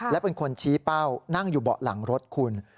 และเป็นคนชี้เป้านั่งอยู่เบาะหลังรถคุณ